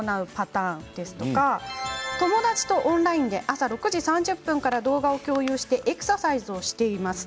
友達とオンラインで朝６時３０分から動画を共有してエクササイズをしています。